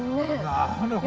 なるほどね。